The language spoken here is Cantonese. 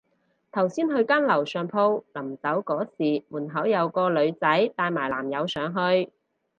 頭先去間樓上鋪，臨走嗰時門口有個女仔帶埋男友上去